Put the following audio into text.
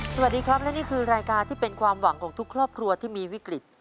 สวัสดีครับและนี่คือรายการที่เป็นความหวังของทุกครอบครัวที่มีวิกฤต